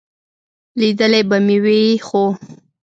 لیدلی به مې وي، خو ...